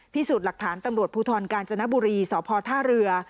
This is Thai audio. พิสูจน์หลักฐานตำรวจภูทรกาญจนบุรีสพท่าเรือ